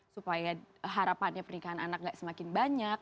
supaya harapannya pernikahan anak tidak semakin banyak